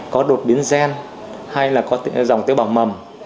có đột biến gen hay là có dòng tế bào mầm